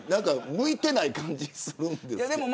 向いていない感じするんですが。